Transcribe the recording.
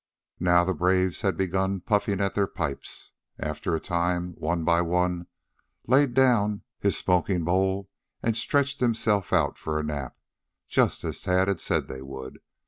Now the braves had begun puffing at their pipes. After a time, one by one laid down his smoking bowl and stretched himself out for a nap, just as Tad had said they would.